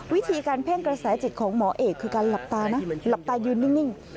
วิธีการเพ่งกระแสจิตของหมอเอกคือการหลับตานะหลับตายืนนิ่ง